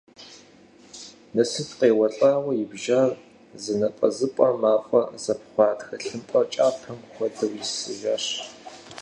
Нэсып къеуэлӏауэ ибжар, зы напӏэзыпӏэм мафӏэ зэпхъуа тхылымпӏэ кӏапэм хуэдэу исыжащ.